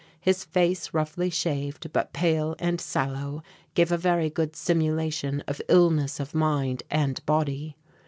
His face roughly shaved, but pale and sallow, gave a very good simulation of illness of mind and body.